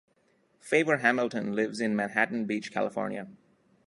Favor Hamilton lives in Manhattan Beach, California.